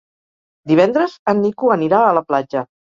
Divendres en Nico anirà a la platja.